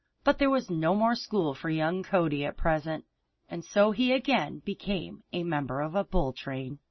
But there was no more school for young Cody at present, and so he again became a member of a bull train.